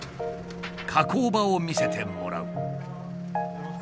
加工場を見せてもらう。